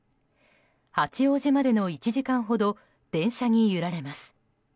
八王子までの１時間ほど電車に揺られます。